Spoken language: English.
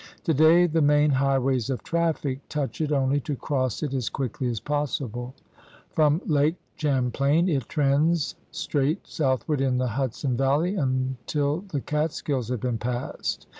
Today the main highways of traffic touch it only to cross it as quickly as possible. From Lake Champlainit trends straight southward in the Hud son 'Valley until the Catskills have been passed.